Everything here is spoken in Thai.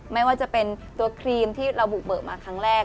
ไม่ว่าจะเป็นตัวครีมที่เราบุกเบิกมาครั้งแรก